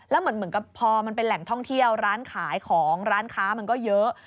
แล้วเหมือนกับพอมันเป็นแหล่งท่องเที่ยวร้านขายของร้านค้ามันก็เยอะ